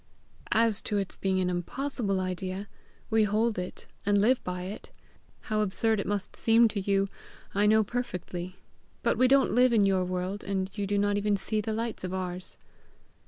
"As to its being an impossible idea, we hold it, and live by it. How absurd it must seem to you, I know perfectly. But we don't live in your world, and you do not even see the lights of ours."